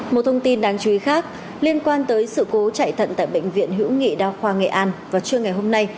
một thông tin đáng chú ý khác liên quan tới sự cố chạy thận tại bệnh viện hữu nghị đa khoa nghệ an vào trưa ngày hôm nay